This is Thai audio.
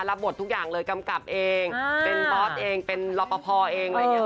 รับบททุกอย่างเลยกำกับเองเป็นบอสเองเป็นรอปพอล์เอง